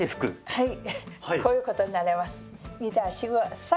はい。